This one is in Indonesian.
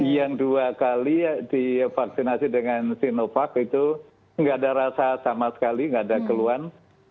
yang dua kali divaksinasi dengan sinovac itu nggak ada rasa sama sekali nggak ada keluhan